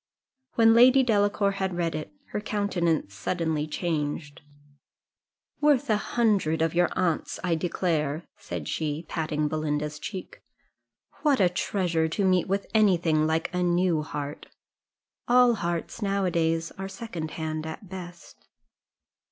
When Lady Delacour had read it, her countenance suddenly changed "Worth a hundred of your aunt's, I declare," said she, patting Belinda's cheek. "What a treasure to meet with any thing like a new heart! all hearts, now a days, are second hand, at best."